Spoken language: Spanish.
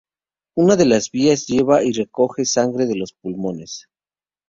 Una de las vías lleva y recoge sangre de los pulmones.